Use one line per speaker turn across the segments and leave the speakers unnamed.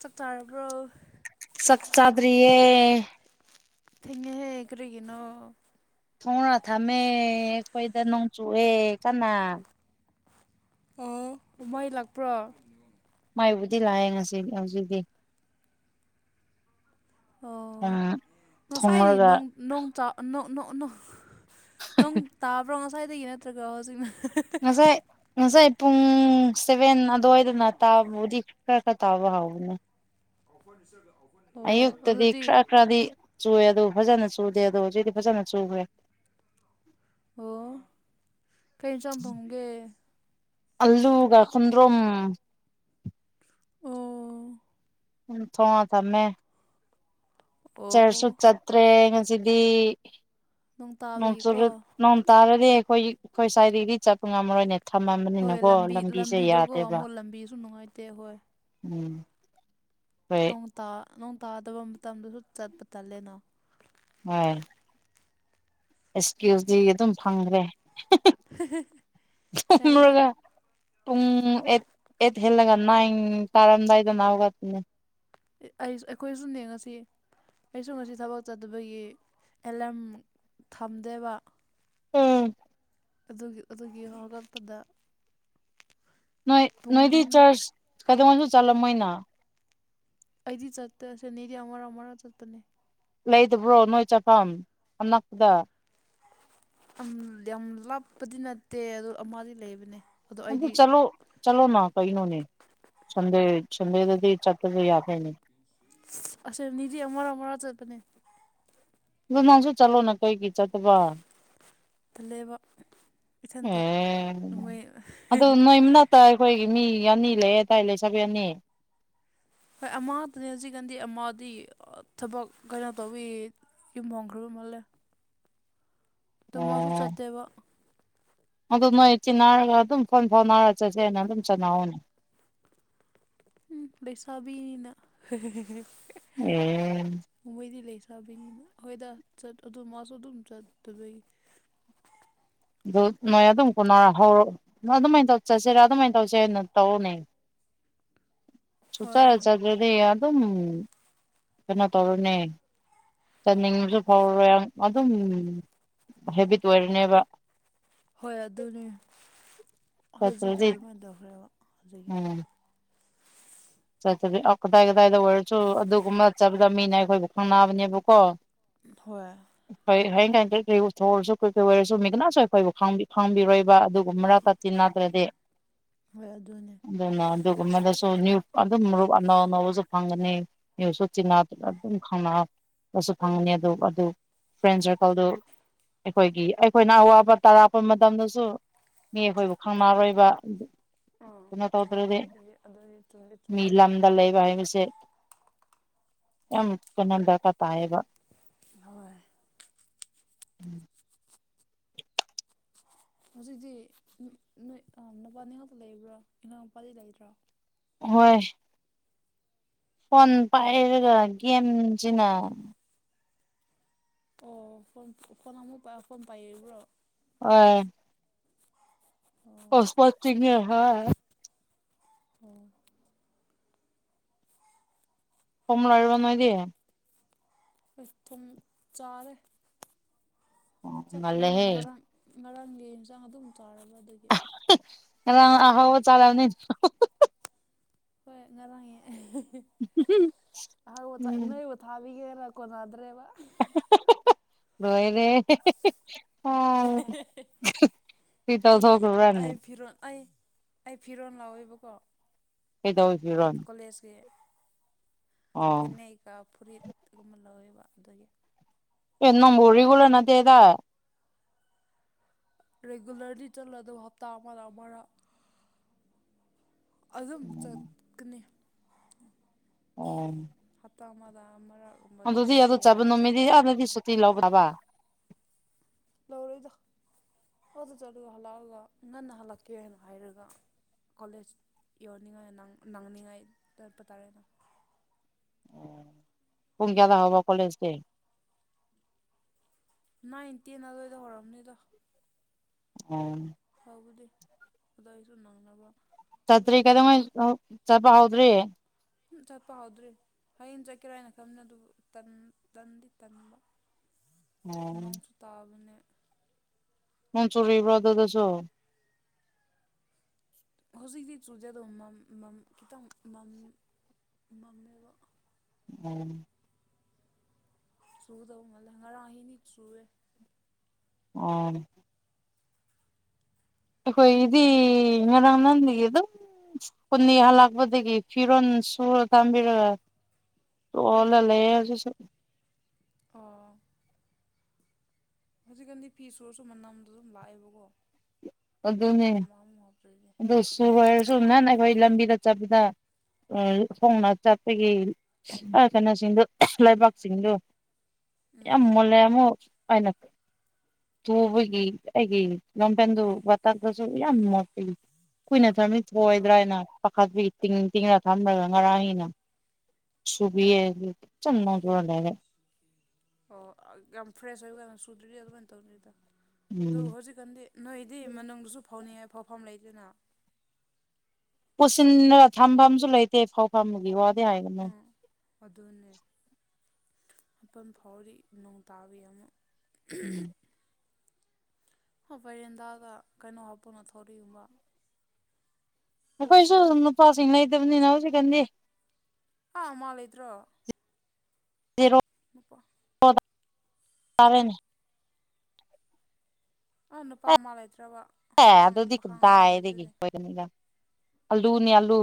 ꯆꯛ ꯆꯥꯔꯕ꯭ꯔꯣ
ꯆꯥꯛ ꯆꯥꯗꯔꯤꯌ‌ꯦ
ꯊ‌ꯦꯡꯉ‌ꯦꯍꯦ ꯀꯔꯤꯒꯤꯅ‌ꯣ
ꯊꯣꯡꯔꯥ ꯊꯝꯃꯦ ꯑꯩꯈꯣꯏꯗ ꯅꯣꯡꯆꯨꯑꯦ ꯀꯟꯅꯥ
ꯑ‌ꯣ ꯃꯩ ꯂꯥꯛꯄ꯭ꯔꯣ
ꯃꯩꯕꯨꯗꯤ ꯂꯥꯛꯑꯦ ꯉꯁꯤ ꯍꯧꯖꯤꯛꯇꯤ
ꯑꯣ ꯅ‌ꯣꯁꯥꯏꯗꯤ
ꯊꯣꯡꯔꯒ
ꯅꯪ ꯅ‌ꯣꯡ ꯇꯥ ꯅ‌ꯣ ꯅ‌ꯣ ꯅ‌ꯣ ꯅꯣꯡ ꯇꯥꯕ꯭ꯔꯣ ꯉꯁꯥꯏꯗꯒꯤ ꯅꯠꯇ꯭ꯔꯒ ꯍꯧꯖꯤꯛꯅ
ꯉꯁꯥꯏ ꯉꯁꯥꯏ ꯄꯨꯡ ꯁꯦꯚꯦꯟ ꯑꯗꯨꯋꯥꯏꯗꯅ ꯇꯥꯕꯕꯨꯗꯤ ꯈꯔ ꯈꯔ ꯇꯥꯕ ꯍꯥꯎꯕꯅꯤ
[unintelligible]
ꯑꯌꯨꯛꯇꯗꯤ
ꯑꯗꯨꯗꯤ
ꯈꯔ ꯈꯔꯗꯤ ꯆꯨꯑꯦ ꯑꯗꯨ ꯐꯖꯅ ꯆꯨꯗꯦ ꯑꯗꯣ ꯍꯧꯖꯤꯛꯇꯤ ꯐꯖꯅ ꯆꯨꯈ꯭ꯔꯦ
ꯑꯣ ꯀꯩ ꯏꯟꯁꯥꯡ ꯊꯣꯡꯒꯦ
ꯑꯜꯂꯨꯒ ꯈ‌ꯣꯟꯗ꯭ꯔꯨꯝ
ꯑꯣ
ꯎꯝ ꯊꯣꯡꯉ ꯊꯝꯃꯦ
ꯑꯣ
ꯆꯔꯁ ꯁꯨ ꯆꯠꯇ꯭ꯔꯦ ꯉꯁꯤꯗꯤ
ꯅꯣꯡ
ꯅ‌ꯣꯡ
ꯇꯥꯕꯒꯤꯀꯣ
ꯆꯨꯔ ꯅꯣꯡ ꯇꯥꯔꯗꯤ ꯑꯩꯈꯣꯏ ꯑꯩꯈꯣꯏ ꯁ꯭ꯋꯥꯏꯗꯒꯤꯗꯤ ꯆꯠꯄ ꯉꯝꯃꯔꯣꯏꯅꯦ
ꯍꯣꯏ
ꯊꯝꯃꯕꯅꯤꯅꯀꯣ
ꯂꯝꯕꯤ
ꯂꯝꯕꯤꯁꯦ
ꯂꯝꯕꯤꯗꯣꯀꯣ
ꯌꯥꯗꯦꯕ
ꯑꯃꯨꯛ ꯂꯝꯕꯤꯁꯨ ꯅꯨꯡꯉꯥꯏꯇꯦ
ꯎꯝ ꯍꯣꯏ
ꯅ‌ꯣꯡ ꯇꯥ ꯅꯣꯡ ꯇꯥꯗꯕ ꯃꯇꯝꯗꯁꯨ ꯆꯠꯄ ꯇꯜꯂꯦꯅ
[unintelligible] ꯑꯦꯁꯀꯤꯜꯁꯇꯤ ꯑꯗꯨꯝ ꯐꯪꯈ꯭ꯔꯦ
ꯌꯥꯏꯗ
[unintelligible] ꯄꯨꯡ ꯑꯦꯠ ꯑꯦꯠ ꯍꯦꯜꯂꯒ ꯅꯥꯏꯟ ꯇꯥꯔꯝꯗꯥꯏꯗꯅ ꯍꯧꯒꯠꯄꯅꯤ
ꯑꯩ ꯑꯩꯈꯣꯏꯖꯨꯅ‌ꯦ ꯉꯁꯤ ꯑꯩꯁꯨ ꯉꯁꯤ ꯊꯕꯛ ꯆꯠꯇꯕꯒꯤ ꯑꯦꯂꯥꯝ ꯊꯝꯗꯦꯕ
ꯎꯝ
ꯑꯗꯨꯒꯤ ꯑꯗꯨꯒꯤ ꯍꯧꯒꯠꯄꯗ
ꯅꯣꯏ
ꯄꯨꯡ
ꯅꯣꯏꯗꯤ ꯆꯔꯆ ꯀꯩꯗꯧꯉꯩꯁꯨ ꯆꯠꯂꯝꯃꯣꯏꯅ
ꯑꯩꯗꯤ ꯆꯠꯇ‌ꯦ ꯁꯅꯤꯗꯤ ꯑꯃꯔꯛ ꯑꯃꯔꯛ ꯆꯠꯄꯅꯦ
ꯂꯩꯇꯕ꯭ꯔꯣ ꯅꯣꯏ ꯆꯥꯐꯝ ꯑꯅꯛꯄꯗ
ꯌꯥꯝ ꯂꯥꯞꯄꯗꯤ ꯅꯠꯇꯦ ꯑꯗꯨ ꯑꯃꯗꯤ ꯂꯩꯕꯅꯦ ꯑꯗꯣ
ꯑꯗꯨ
ꯑꯩꯗꯤ
ꯆꯠꯂꯣ ꯆꯠꯂꯣꯅꯥ ꯀꯩꯅꯣꯅꯦ ꯁꯟꯗꯦ ꯁꯟꯗꯦꯗꯗꯤ [unintelligible] ꯆꯠꯂꯁꯨ ꯌꯥꯏ ꯀꯩꯅ‌ꯣ
ꯑꯁ‌ꯦꯝꯅꯤꯗꯤ ꯑꯃꯔꯛ ꯑꯃꯔꯛ ꯆꯠꯄꯅꯦ
ꯑꯗꯨ ꯅꯪꯁꯨ ꯆꯠꯂꯣꯅ ꯀꯩꯒꯤ ꯆꯠꯇꯕ
ꯂꯩꯕ ꯏꯊꯟꯇ
ꯑꯦ
ꯃꯣꯏ
ꯑꯗꯣ ꯅꯣꯏ ꯃꯅꯥꯛꯇ ꯑꯩꯈꯣꯏꯒꯤ ꯃꯤ ꯑꯅꯤ ꯂꯩ ꯑꯋꯥꯏ ꯂꯩ ꯆꯕꯤ ꯌꯥꯅꯤ
ꯍꯣꯏ ꯑꯃꯗꯅꯦ ꯍꯧꯖꯤꯛꯀꯥꯟꯗꯤ ꯑꯃꯗꯤ ꯊꯕꯛ ꯀꯩꯅꯣ ꯇꯧꯋꯤ ꯌꯨꯝ ꯍꯣꯡꯈ꯭ꯔꯕ ꯃꯜꯂꯦ ꯇꯃ
ꯑꯣ
ꯆ ꯇꯕ
ꯑꯗꯨ ꯅꯣꯏ ꯆꯤꯟꯅꯅꯥꯔꯒ ꯑꯗꯨꯝ ꯐꯣꯟ ꯐꯣꯟ ꯍꯥꯏꯅꯥꯔꯒ ꯆꯠꯁꯦ ꯑꯩꯅ ꯑꯗꯨꯝ ꯆꯥꯟꯅꯍꯧꯅꯦ
ꯄꯩꯁꯥꯕꯤꯅ
ꯎꯝ
ꯃꯣꯡꯃꯩꯗꯤ ꯂꯩ ꯁꯥꯕꯅꯤꯅ ꯑꯩꯈꯣꯏꯗ ꯆꯠ ꯑꯗꯨ ꯃꯥꯁꯨ ꯑꯗꯨꯝ ꯆꯠꯇꯕꯒꯤ
ꯑꯗꯨ ꯅꯣꯏ ꯑꯗꯨꯝ ꯀ ꯍꯧꯔꯛ ꯅ ꯑꯗꯨꯃꯥꯏꯅ ꯇꯧ ꯆꯠꯁꯤꯔꯥ ꯑꯗꯨꯃꯥꯏꯅ ꯇꯧꯁꯦꯅ ꯇꯧꯔꯨꯅꯦ
[inaudible]
ꯆꯨ ꯆꯔ
ꯍꯣꯏ
ꯆꯗ꯭ꯔꯗꯤ ꯑꯗꯨꯝ ꯀꯩꯅꯣ ꯇꯧꯔꯅꯦ ꯆꯥꯅꯤꯡꯕꯁꯨ ꯐꯥꯎꯔꯔꯣꯏ ꯑꯗꯨꯝ ꯍꯦꯕꯤꯠ ꯑꯣꯏꯔꯅꯦꯕ
ꯍꯣꯏ ꯑꯗꯨꯅꯤ ꯍꯧꯖꯤꯛꯇꯤ
ꯆꯠꯇ꯭ꯔꯗꯤ
ꯑꯗꯨꯃꯥꯏꯅ ꯇꯧꯈ꯭ꯔꯦꯕ ꯍꯧꯖꯤꯛꯀꯤ
ꯆꯠꯇꯕꯤ ꯀꯗꯥꯏ ꯀꯗꯥꯏꯗ ꯑꯣꯏꯔꯁꯨ ꯑꯗꯨꯒꯨꯝꯕ ꯆꯠꯄꯗ ꯃꯤꯅ ꯑꯩꯈꯣꯏꯕꯨ ꯈꯪꯅꯕꯅꯦꯕꯀꯣ
ꯍꯣꯏ
ꯍꯣꯏ ꯍꯌꯦꯡ ꯀꯥꯏ ꯀꯩꯀꯩ ꯎꯠꯊꯣꯛꯔꯁꯨ ꯀꯨꯀꯩ ꯑꯣꯏꯔꯁꯨ ꯃꯤꯒꯅꯥꯁꯨ ꯑꯩꯈꯣꯏꯕꯨ ꯈꯥꯡꯕꯤꯔꯣꯏꯕ ꯑꯗꯨꯒ ꯃꯔꯥ ꯇꯅꯗ꯭ꯔꯗꯦ
ꯍꯣꯏ ꯑꯗꯨꯅꯦ꯫
ꯑꯗꯨꯅ ꯑꯗꯨꯒꯨꯝꯗꯁꯨ ꯅꯌꯨ ꯑꯗꯨꯝ ꯃꯔꯨꯞ ꯑꯅꯧ ꯑꯅꯧꯕꯁꯨ ꯐꯪꯒꯅꯤ ꯃꯤꯁꯨ ꯆꯤꯛꯅ ꯑꯗꯨꯝ ꯈꯪꯅ ꯗꯁꯨ ꯐꯪꯉꯅꯤ ꯑꯗꯨ ꯑꯗꯨ ꯐ꯭ꯔꯦꯟ ꯁꯔꯀꯜꯗꯨ ꯑꯩꯈꯣꯏꯒꯤ ꯑꯩꯈꯣꯏꯅ ꯑꯋꯥꯕ ꯇꯥꯔꯛꯄ ꯃꯇꯝꯗꯁꯨ ꯃꯤ ꯑꯩꯈꯣꯏꯕꯨ ꯈꯪꯅꯔꯣꯏꯕ
ꯎꯝ
ꯑꯗꯨꯅ ꯇꯧꯗ꯭ꯔꯗꯤ
ꯑꯗꯨ ꯎꯝ
ꯃꯤ ꯂꯝꯗ ꯂꯩꯕ ꯍꯥꯏꯕꯁꯦ ꯌꯥꯝ ꯀꯩꯅꯣ ꯗꯔꯀꯥꯔ ꯇꯥꯏꯌꯦꯕ꯫
[unintelligible] ꯍꯧꯖꯤꯛꯇꯤ ꯅ ꯅꯨꯄꯥꯅꯤ ꯉꯥꯛꯇ ꯂꯩꯕ꯭ꯔꯣ ꯏꯉꯥꯡ ꯃꯄꯥꯗꯤ ꯂꯩꯇ꯭ꯔꯣ
ꯍꯣꯏ ꯐꯣꯟ ꯄꯥꯏꯔꯒ ꯦꯦꯝꯁꯤꯅ
ꯑꯣ ꯐꯣꯟ ꯐꯣꯟ ꯑꯃꯨꯛ ꯐꯣꯟ ꯄꯥꯏꯔꯤꯕ꯭ꯔꯣ
ꯑꯣ
ꯑꯣ
ꯍꯁꯄꯅꯦ ꯍꯥ
ꯎꯝ
ꯀꯣꯝ ꯂꯔꯨ ꯅꯣꯏꯗ
ꯑꯩ ꯊꯨꯝ ꯆꯔꯣꯏ
ꯑꯣ
ꯆꯥꯛ
ꯉꯜꯂꯦꯍꯦ
ꯊꯣꯡꯉꯅꯕ ꯉꯔꯥꯡ ꯉꯔꯥꯡꯒꯤ ꯌꯦꯟꯁꯥꯡ ꯑꯗꯨꯝ ꯆꯥꯎꯔꯕ ꯑꯗꯨꯒꯤ
ꯑꯍꯣꯕ ꯆꯂꯅꯤ
ꯍꯣꯏ ꯉꯔ ꯑ
ꯎꯝ
ꯅ ꯊꯥꯕꯤꯒꯦꯔ ꯀꯣꯟꯅꯗ꯭ꯔꯦꯕ꯫
[unintelligible] ꯂꯣꯏꯔꯦ [unintelligible]
[unintelligible] ꯑꯩ
ꯇꯧꯊꯣꯛꯈ꯭ꯔꯕ꯭ꯔꯅꯦ
ꯑꯩ ꯐꯤꯔꯣꯜ ꯑꯩ ꯑꯩ ꯐꯤꯔꯣꯟ ꯂꯧꯋꯦꯕꯀꯣ
ꯀꯗꯧꯁꯤꯔꯣꯟ
ꯀꯣꯂꯦꯖꯀꯤ ꯐꯅꯦꯛꯀ ꯐꯨꯔꯤꯠꯀꯨꯝꯕ ꯂꯧꯋꯦꯕ ꯑꯗꯨꯒꯤ꯫
[unintelligible] ꯅꯪꯕꯨ ꯔꯤꯒꯨꯂꯔ ꯅꯠꯇꯦꯗ ꯫
ꯔꯤꯒꯨꯂꯔꯗꯤ ꯆꯠꯂ ꯑꯗꯨ ꯍꯞꯇꯥ ꯑꯃꯗ ꯋꯥꯠꯂꯝꯃꯔꯣꯏ꯫ ꯑꯗꯨꯝ ꯆꯠꯀꯅꯤ꯫
ꯑꯣ
ꯇꯃꯥꯗ ꯃꯔꯛ ꯎꯞ
ꯑꯗꯨꯗꯤ ꯑꯗꯨ ꯆꯠꯕ ꯅꯨꯃꯤꯠꯇꯤ ꯌꯥꯝꯅꯗꯤ ꯁꯨꯇꯤ ꯂꯧꯕ꯭ꯔꯕ
ꯂꯣꯏꯔꯣꯏꯗ ꯑꯗꯨ ꯆꯠꯂꯒ ꯍꯜꯂꯛꯑꯒ ꯉꯟꯅ ꯍꯜꯂꯛꯀꯦꯅ ꯍꯥꯏꯔꯒ ꯀꯣꯂꯦꯖ ꯌꯧꯅꯤꯡꯉꯥꯏ ꯅꯪ ꯅꯪꯅꯤꯡꯉꯥꯏ ꯇꯠꯄ ꯇꯥꯔꯦꯅ
ꯄꯨꯡ ꯀꯌꯥꯗ ꯍꯧꯕ ꯀꯣꯂꯦꯖꯇꯤ
ꯅꯥꯏꯟ ꯇꯦꯟ ꯑꯗ꯭ꯋꯥꯏꯗ ꯍꯧꯔꯝꯅꯤꯗ
ꯑꯣꯟ
ꯍꯧꯕꯗꯤ ꯑꯗꯩꯁꯨ ꯅꯪꯅꯕ
ꯆꯠꯇ꯭ꯔꯤ
ꯑꯗꯨꯝ
ꯀꯩꯗꯧꯉꯩ ꯆꯠꯄ ꯍꯧꯗ꯭ꯔꯤ
ꯆꯠꯄ ꯍꯧꯎꯗ꯭ꯔꯤ ꯍꯌꯦꯡ ꯆꯠꯀꯦꯔꯥ ꯍꯥꯏꯅ ꯈꯟꯕꯅꯤ ꯑꯗꯨꯕꯨ ꯇꯟ ꯇꯟꯗꯤ ꯇꯟꯕ
ꯑꯣ
ꯅꯣꯡꯁꯨ ꯇꯥꯕꯅꯦ
ꯅꯣꯡ ꯆꯨꯔꯤꯕ꯭ꯔꯣ ꯑꯗꯨꯗꯁꯨ
ꯍꯧꯖꯤꯛꯇꯤ ꯆꯨꯗꯦ ꯑꯗꯣ ꯃꯝ ꯃꯝ ꯈꯤꯇꯪ ꯃꯝ ꯃꯝꯃꯦꯕ
ꯑꯣ
ꯆꯨꯗꯧꯉꯜꯂꯦ ꯉꯔꯥꯡ ꯑꯍꯤꯡꯗꯤ ꯆꯨꯔꯦ
ꯑꯣ ꯑꯩꯈꯣꯏꯒꯤꯗꯤ ꯉꯔꯥꯡ ꯅꯍꯟꯗꯒꯤ ꯑꯗꯨꯝ ꯁ꯭ꯀꯨꯅꯤ ꯍꯜꯂꯛꯄꯗꯒꯤ ꯐꯤꯔꯣꯟ ꯁꯨꯔ ꯊꯝꯕꯤꯔꯒ ꯇꯣꯜꯅ ꯂꯩꯌꯦ ꯍꯧꯖꯤꯛꯁꯨ
ꯑꯣ ꯍꯧꯖꯤꯛꯀꯥꯟꯗꯤ ꯐꯤ ꯁꯨꯔꯁꯨ ꯃꯅꯝꯗꯣ ꯑꯗꯨꯝ ꯂꯥꯛꯑꯦꯕꯀꯣ ꯀꯝꯐꯣ ꯃꯨꯑ ꯃꯨꯑ ꯑꯝꯇ ꯍꯥꯞꯇ꯭ꯔꯗꯤ
ꯆꯨꯖꯔꯁꯨ ꯅꯍꯥꯟ ꯑꯩꯈꯣꯏ ꯂꯝꯕꯤꯗ ꯆꯠꯄꯗ ꯈꯣꯡꯅ ꯆꯠꯄꯒꯤ ꯑꯥ ꯀꯩꯅꯣꯁꯤꯡꯗꯨ ꯂꯩꯕꯥꯛꯁꯤꯡꯗꯨ
ꯎꯝ
ꯌꯥꯝ
ꯎꯝ
ꯃꯨꯜꯂꯦ ꯑꯃꯨꯛ ꯑꯩꯅ ꯇꯨꯕꯒꯤ ꯑꯩꯒꯤ ꯂꯣꯡꯄꯦꯟꯗꯨ ꯇꯛꯄꯁꯨ ꯌꯥꯝ
ꯎꯝ
ꯃꯣꯠꯄꯒꯤ ꯀꯨꯏꯅ ꯊꯝꯃꯤ
ꯑꯣ
ꯊꯣꯛꯑꯣꯏꯗ꯭ꯔꯥꯅ ꯄꯥꯈꯠꯄꯒꯤ ꯇꯤꯡ ꯇꯤꯡꯉ꯭ꯔ ꯊꯝꯂꯒ ꯉꯔꯥꯡꯒꯤꯅ ꯁꯨꯕꯤꯌꯦ ꯈꯤꯆꯝ ꯅꯣꯡꯊꯨꯔ ꯂꯩꯔꯦ
ꯑꯣ ꯌꯥꯝ ꯐ꯭ꯔꯦꯁ ꯑꯣꯏꯕ ꯀꯥꯟꯗ ꯁꯨꯗ꯭ꯔꯗꯤ ꯑꯗꯨꯃꯥꯏ ꯇꯧꯅꯤꯗ ꯑꯗꯨ
ꯎꯝ
ꯍꯧꯖꯤꯛ ꯀꯥꯟꯗꯤ ꯅꯣꯏꯗꯤ ꯃꯅꯨꯡꯗꯁꯨ ꯐꯧꯅꯤꯡꯉꯥꯏ ꯐꯧꯐꯝ ꯂꯩꯇꯦꯅ
ꯄꯨꯁꯤꯟꯅꯒ ꯊꯝꯕꯝꯖꯨ ꯂꯩꯇꯦ ꯐꯧꯐꯝꯒꯤ ꯋꯥ
ꯑꯥ ꯑꯗꯨꯅꯦ ꯃꯄꯟ ꯐꯥꯎꯔꯗꯤ ꯅꯣꯡ ꯇꯥꯕꯒꯤ ꯑꯃꯨꯛ
ꯎꯝ
ꯍ ꯕꯥꯏꯔꯦꯟꯗꯥꯗ ꯀꯩꯅꯣ ꯍꯥꯞꯄꯉ ꯊꯧꯔꯤꯒꯨꯝꯕ
ꯑꯩꯈꯣꯏꯁꯨ ꯅꯨꯄꯥꯁꯤꯡ ꯂꯩꯇꯕꯅꯤꯅ ꯍꯧꯖꯤꯛꯀꯥꯟꯗꯤ
ꯑꯥ ꯃꯥ ꯂꯩꯇ꯭ꯔꯣ
[unintelligible]
ꯃꯄꯥ
ꯋꯥꯕ ꯇꯥꯔꯦꯅꯦ
ꯑꯥ ꯅꯨꯄꯥ ꯃꯥ ꯂꯩꯇ꯭ꯔꯕ
ꯑꯦ
ꯄꯥꯈꯪ
ꯑꯗꯨꯗꯤ
ꯄꯥꯈꯪ ꯑꯃ
ꯀꯗꯥꯏꯗꯒꯤ
ꯂꯩꯕꯗꯨꯗꯤ
ꯑꯣꯏꯒꯅꯤꯗ ꯑꯂꯨꯅꯤ ꯑꯂꯨ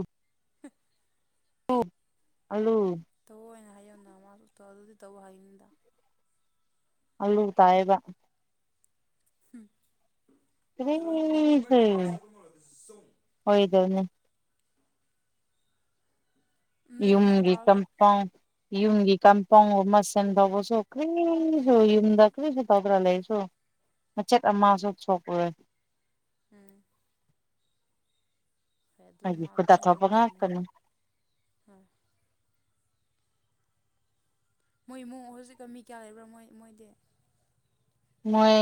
[unintelligible]
ꯂꯨ ꯑꯂꯨ
ꯇꯑꯣꯏꯅ ꯍꯥꯏꯌꯨꯟꯅ ꯃꯥꯖꯨ ꯇꯧꯗꯗꯤ ꯇꯧ ꯍꯥꯏꯅꯤꯟꯗ
ꯑꯜꯂꯨ ꯇꯥꯏꯑꯦꯕ ꯀꯔꯤꯁꯨ
[unintelligible]
ꯍꯣꯏꯗꯅꯦ
ꯅꯣꯏꯗ ꯅꯣꯡ
ꯏꯌꯨꯝꯒꯤ
ꯇꯥꯔꯁꯨ
ꯀꯝꯄꯥ꯭ꯎꯟ ꯌꯨꯝꯒꯤ ꯀꯝꯄꯥ꯭ꯎꯟꯒꯨꯝꯕ ꯁꯦꯝꯗꯩꯕꯁꯨ ꯀꯔꯤ ꯁꯨ ꯌꯨꯝꯗ ꯀꯔꯤꯁꯨ ꯇꯧꯗꯅ ꯂꯩꯔꯁꯨ ꯃꯆꯦꯠ
ꯎꯝ
ꯑꯃꯁꯨ ꯁꯣꯛꯂꯨꯔꯦ
ꯎꯝ ꯍꯣꯏ ꯑꯗꯨ ꯃꯥ
ꯑꯩꯒꯤ ꯈꯨꯠꯇ
ꯑꯗꯨꯃꯥꯏꯅ
ꯊꯣꯛꯄ
ꯇꯧꯗꯤ ꯇꯧꯅꯤ ꯍꯣꯏ
ꯉꯥꯛꯇꯅꯤ
ꯍꯣꯏ ꯃꯣꯏ ꯏꯃꯨꯡ ꯍꯧꯖꯤꯛꯀ ꯃꯤ ꯀꯌꯥ ꯂꯩꯕ꯭ꯔꯥ ꯃꯣꯏ ꯃꯣꯏꯗꯤ
ꯃꯣꯏ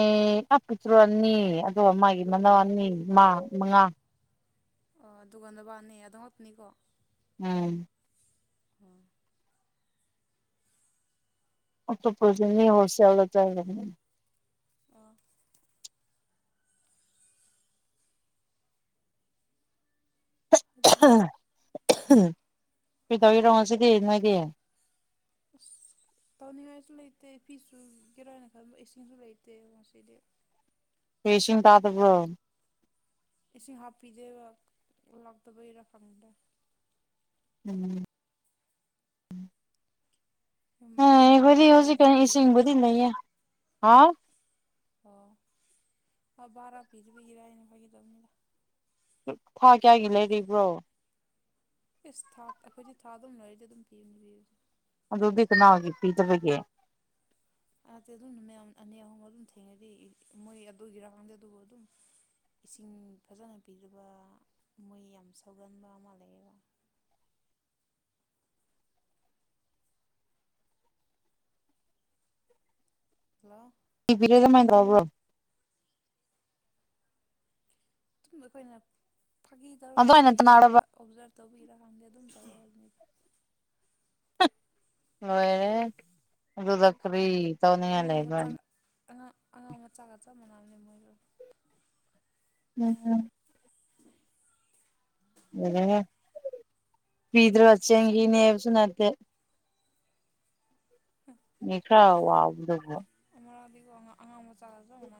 ꯑ ꯄꯇ꯭ꯔꯨ ꯑꯅꯤ ꯑꯗꯨꯒ ꯃꯥꯒꯤ ꯃꯅꯥꯎ ꯑꯅꯤ ꯃ ꯃꯉꯥ
ꯑꯣ ꯑꯗꯨꯒꯗꯕꯥꯅꯦ ꯑꯗꯨꯝꯉꯛꯄꯅꯤꯀꯣ
ꯎꯝ
ꯎꯝ
ꯇ ꯄꯨꯅꯤ ꯍꯣꯜꯁꯦꯜꯔ
ꯑ ꯑꯗꯨ
ꯀꯩꯗꯧꯤꯔꯣ ꯁꯤꯗꯤ ꯅꯣꯏꯗꯤ
ꯑꯁ ꯇꯧꯅꯤꯡꯉꯥꯏꯁꯨ ꯂꯩꯇꯦ ꯐꯤꯁꯨ ꯀꯔꯥꯏꯅ ꯈꯟꯕ ꯑꯦꯁꯤꯡꯁꯨ ꯂꯩꯇꯦ ꯉꯁꯤꯗꯤ
ꯑꯦ ꯏꯁꯤꯡ ꯇꯥꯗꯕ꯭ꯔꯣ
ꯏꯁꯤꯡ ꯍꯥꯞꯄꯤꯖꯩꯕ ꯂꯥꯛꯇꯕꯩꯔ ꯈꯪꯗꯦ
ꯎꯝ ꯑꯦ ꯑꯩꯈꯣꯏꯗꯤ
[unintelligible]
ꯍꯥꯥ
[unintelligible]
ꯊꯥ ꯀꯌꯥꯒꯤ ꯂꯩꯔꯤꯕ꯭ꯔꯣ
ꯏꯁ ꯊ ꯑꯩꯈꯣꯏꯗꯤ ꯊꯥꯗ ꯑꯗꯨꯝ ꯂꯩꯔꯗꯤ ꯑꯗꯨꯝ ꯄꯤꯕꯅꯤ ꯄꯤꯕ
ꯑꯗꯨꯗꯤ ꯀꯅꯥꯒꯤ ꯄꯤꯗꯕꯒꯤ
ꯑꯇ ꯑꯗꯨꯝꯅ ꯃꯌꯥꯝ ꯑꯅꯤ ꯑꯍꯨꯝ ꯑꯗꯨꯝ ꯊꯦꯡꯅꯗꯤ ꯃꯣꯏ ꯑꯗꯨꯒꯤ ꯔꯥꯡꯗ ꯑꯗꯨꯕꯨ ꯑꯗꯨꯝ ꯏꯁꯤꯡ ꯐꯖꯅ ꯄꯤꯗꯕ ꯃꯣꯏ ꯌꯥꯝ ꯁꯧꯒꯟꯕ ꯑꯃ ꯂꯩꯌꯦꯕ ꯍꯂꯣ
[unintelligible]
ꯑꯗꯨꯗ ꯑꯩꯈꯣꯏꯅ ꯐꯥꯒꯤ ꯇꯧꯔꯒ
ꯑꯗꯨꯃꯥꯏꯅ
ꯑꯗꯨꯝꯡ
ꯇꯅꯥꯔꯕ
ꯑꯣꯞꯖꯥꯞ ꯇꯧꯕꯤꯔꯥ ꯈꯪꯗꯦ ꯑꯗꯨꯝ ꯇꯧꯔꯅꯤꯕ
ꯂꯣꯏꯔꯦꯍꯦ ꯑꯗꯨꯗ ꯀꯔꯤ ꯇꯧꯅꯤꯡꯉꯥꯏ
ꯑꯉꯥꯡ
ꯂꯩꯕ꯭ꯔꯥ
ꯃꯆꯥꯒ ꯑꯉꯥꯡ ꯑꯉꯥꯡ ꯃꯆꯥꯒ ꯆꯞ ꯃꯥꯟꯅꯅꯅꯤ ꯃꯣꯏꯁꯨ
ꯎꯝ ꯎꯝ [unintelligible] ꯎꯄꯤꯗ꯭ꯔꯆꯦꯅꯦꯕꯁꯨ ꯅꯠꯇꯦ
ꯍ
ꯃꯤ ꯈ꯭ꯔ ꯋꯥꯕꯗꯕ
ꯑꯃ ꯑꯥꯅꯤ ꯑ ꯑꯉꯥꯡꯕꯨ ꯆꯥꯖꯅ ꯃ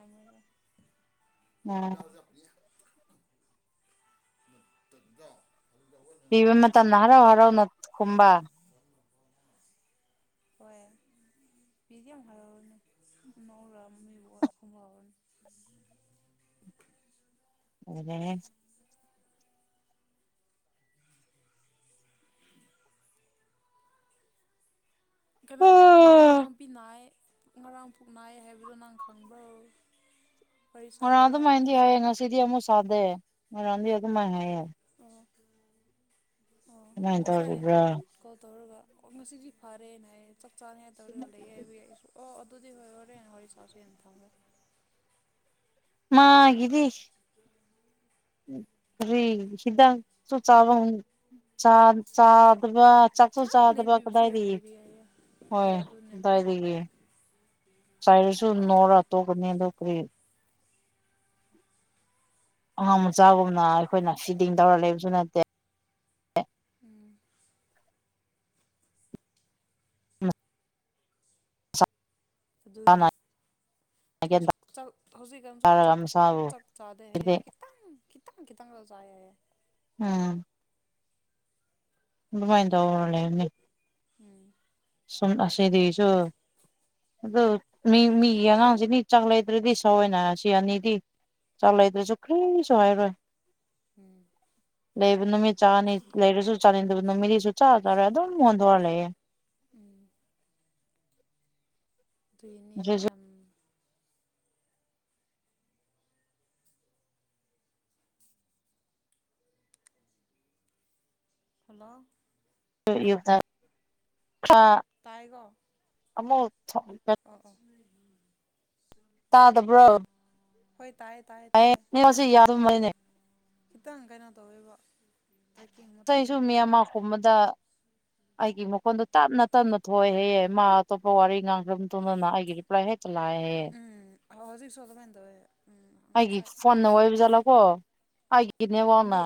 ꯎꯝ
[unintelligible]
ꯄꯤꯕ ꯃ ꯅ ꯍꯔꯥꯎ ꯍꯔꯥꯎ ꯅ ꯈꯨꯝꯕꯥ
ꯍꯣꯏꯌꯦ ꯄꯗꯤ ꯌꯥꯝ ꯍꯥꯏꯔꯅꯤ ꯎꯔ ꯃꯕ ꯍꯣꯡꯉꯥꯎꯅꯤ
[unintelligible]
[inaudible] ꯀꯩꯅꯣ ꯏꯅꯥꯎꯄꯤ ꯅꯥꯏ ꯃꯔꯥꯡ ꯄꯨꯛ ꯅꯥꯏꯌꯦ ꯍꯥꯏꯕꯗꯤ ꯅꯪ ꯈꯪꯕ꯭ꯔꯧ
ꯉꯔꯥꯡ ꯑꯗꯨꯃꯥꯏꯅꯗꯤ ꯍꯥꯏꯌꯦ ꯉꯁꯤꯗꯤ ꯑꯃꯨꯛ ꯁꯥꯗꯦ ꯃꯣꯏꯔꯥꯡꯗꯤ ꯑꯗꯨꯃꯥꯏꯅ ꯍꯥꯏꯌꯦꯦ
ꯑꯣ ꯑꯣ
ꯀꯃꯥꯏꯅ
ꯉꯁꯥꯏ
ꯇꯧꯔꯤꯕ꯭ꯔꯥ
ꯀꯣ ꯇꯧꯔꯒ ꯑꯣ ꯉꯁꯤꯗꯤ ꯐꯔꯦꯅ ꯍꯥꯏꯌꯦ ꯆꯞ ꯆꯥꯅ ꯍꯥꯏ ꯇꯧꯔꯒ ꯂꯩ ꯍꯥꯏꯏꯕꯨ ꯌꯥꯏꯁꯨ ꯑꯣ ꯑꯗꯨꯗꯤ ꯍꯣꯏ ꯍꯣꯔꯦ ꯍ ꯁꯥꯥꯛꯁꯨ ꯍꯦ ꯊꯝꯃꯦ
ꯃꯥꯒꯤꯗꯤ
[inaudible]
ꯀꯔꯤ ꯍꯤꯗꯥꯛꯁꯨꯨ ꯆꯥꯕ ꯆꯥ ꯆꯗꯕ ꯆꯥꯛꯁꯨ
ꯅꯍꯥꯟ
ꯆꯥꯗꯕ
ꯂꯩꯕꯤꯕꯁꯨ ꯌꯥꯝ
ꯀꯗꯥꯏꯗꯤ
ꯂꯩꯔꯤ ꯍꯥꯏꯌꯦ ꯍꯣꯏ ꯑꯗꯨꯅꯦ
ꯍꯣꯏꯗꯥꯏ ꯀꯔꯤ ꯆꯥꯏꯔꯁꯨ ꯅꯣꯔ ꯇꯣꯛꯀꯅꯤ ꯑꯗꯣ ꯀꯔꯤ ꯑꯉꯥꯡ ꯃꯆꯥꯒꯨꯝꯅ ꯑꯩꯈꯣꯏꯅ ꯐꯤꯗꯤꯡ ꯇꯧꯔ ꯂꯩꯕꯁꯨ ꯅꯠꯇꯦ
ꯎꯝ
[inaudible]
ꯑꯗꯨꯅꯦ
ꯃꯁꯥꯅ ꯒ꯭ꯌꯥꯟ
ꯍꯧꯖꯤꯛꯀꯥꯟꯁꯨ
ꯇꯥꯔꯒ
ꯆꯥꯛ
ꯃꯁꯥꯕꯨ
ꯆꯥꯛ ꯆꯥꯗꯦ ꯍꯥꯏꯌꯦ
ꯍꯥꯏꯗꯤ
ꯈꯤꯇꯪ ꯈꯤꯇꯪ ꯈꯤꯇꯪ ꯖꯥꯌꯦ ꯍꯥꯏꯌꯦ
ꯎꯝ ꯑꯗꯨꯃꯥꯏ ꯇꯧꯕ꯭ꯔꯅꯦ
ꯎꯝ
ꯁꯨꯡꯁꯅꯤꯗ ꯆ [inaudible] ꯑꯗꯨ ꯃꯤ ꯃꯤꯒꯤ ꯑꯉꯥꯡꯁꯤꯅꯤ ꯆꯥꯛ ꯂꯩꯗ꯭ꯔꯗꯤ ꯁꯥꯎꯋꯦꯅ ꯁꯤ ꯑꯅꯤꯗꯤ ꯆꯥꯛ ꯂꯩꯗ꯭ꯔꯁꯨ ꯀ꯭ꯔꯤꯁꯨ ꯍꯥꯏꯔꯣꯏ
ꯎꯝ
ꯂꯩꯕ ꯅꯨꯃꯤꯠ ꯆꯥꯅꯤ ꯂꯩꯔꯁꯨ ꯆꯥꯅꯤꯡꯗꯕ ꯅꯨꯃꯤꯠꯅꯤꯁꯨ ꯆꯥ ꯆꯥꯔꯦ ꯑꯗꯨꯝ ꯃꯉꯣꯟꯗꯔ ꯂꯩꯑꯦ
ꯎꯝ ꯑꯗꯨꯏꯅꯦ
ꯉꯁꯤꯁꯨ
ꯌꯥꯝ ꯍꯜꯂꯣ
ꯌꯨꯗ ꯀ [inaudible]
ꯇꯥꯏꯒꯣ
ꯑꯃꯃ ꯊ [inaudible]
ꯑꯥ ꯑ
ꯇꯥꯗꯕ꯭ꯔꯣ
ꯍꯣꯏ ꯇꯥꯏꯌꯦ ꯇꯥꯏꯌꯦ ꯇꯥꯏꯌꯦ
ꯅꯦꯠꯋꯥꯛꯁꯦ
ꯇꯥꯈ꯭ꯔꯦ
ꯌꯥꯗꯕꯅꯦ
ꯈꯤꯇꯪ ꯀꯩꯅꯣ ꯇꯧꯋꯦꯕ ꯇ꯭ꯔꯦꯛꯀꯤꯡ ꯑꯃ
ꯑꯇꯩꯁꯨ
ꯆꯠꯂꯦꯕ
ꯃꯤ
ꯑꯗꯨꯒꯤ
ꯑꯃ ꯀꯨꯝꯕꯗ ꯑꯩꯒꯤ ꯃꯈꯣꯟꯗꯣ ꯇꯞꯅ ꯇꯞꯅ ꯊꯣꯛꯑꯦꯍꯌꯦ ꯃꯥ ꯑꯇꯣꯞꯄ ꯋꯥꯔꯤ ꯉꯥꯡꯈ ꯇꯅ ꯅꯅꯥꯒꯤꯔꯤꯄ꯭ꯂ ꯍꯦ ꯆꯂꯌꯦ [inaudible]
ꯎꯝ ꯍꯧꯖꯤꯛꯁꯨ ꯑꯇꯨꯃꯥꯏ ꯇꯧꯋꯦ ꯎꯝ ꯉꯁꯥꯏ
ꯍꯥꯏꯅꯦ [inaudible] ꯋꯥꯅ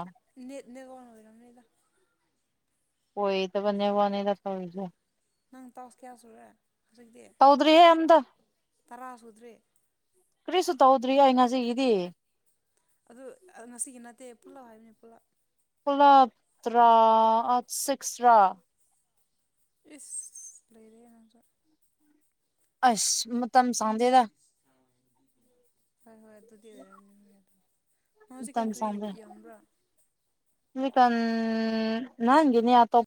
ꯅꯦꯠꯋꯥꯛ ꯑꯣꯏꯔꯅꯤꯗ
ꯑꯣꯏꯣꯏ ꯇ ꯦ ꯋꯥꯅꯦ ꯂ ꯁꯖ [inaudible]
ꯅꯪ ꯇꯥꯎꯁ ꯀꯌꯥ ꯁꯨꯔꯦ ꯍꯧꯖꯤꯛꯇꯤ
ꯇꯧꯗ꯭ꯔꯤꯍꯦ ꯑꯝꯇ
ꯇꯔꯥ ꯁꯨꯗ꯭ꯔꯤ
ꯀꯔꯤꯁꯨ ꯇꯧꯗ꯭ꯔꯤ ꯑꯩ ꯉꯁꯤ ꯒꯤꯗꯤ
ꯑꯗꯨ ꯉꯁꯤꯒꯤ ꯅꯠꯇꯦ ꯄꯨꯜꯂꯞ ꯍꯥꯏꯕꯅꯤ ꯄꯨꯜꯂꯞ
ꯄꯨꯂ ꯇ꯭ꯔꯥ ꯑ ꯁꯤꯛꯁ꯭ꯔꯥ
ꯏꯁ ꯅꯩꯔꯦ ꯅꯪꯁꯣ
ꯑꯁ ꯃꯇꯝ ꯁꯪꯇꯦꯗ
ꯍꯣꯏ ꯍꯣꯏ ꯑꯗꯨꯗꯤ ꯑꯣꯏꯔꯝꯃꯤ
ꯎꯝ ꯆꯕꯦꯀ ꯅꯒꯦꯅꯤ ꯑꯇꯣ [inaudible]